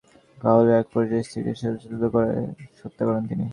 তিনি পুলিশকে বলেছেন, পারিবারিক কলহের একপর্যায়ে স্ত্রীকে শ্বাসরোধ করে হত্যা করেন তিনি।